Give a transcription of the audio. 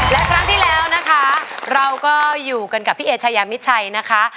และครั้งที่แล้วนะคะเราก็อยู่กันกับพี่เอชายามิดชัยนะคะ